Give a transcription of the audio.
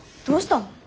どうしたの？